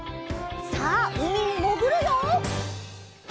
さあうみにもぐるよ！